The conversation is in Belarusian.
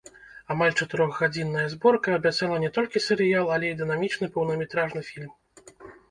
Амаль чатырохгадзінная зборка абяцала не толькі серыял, але і дынамічны поўнаметражны фільм.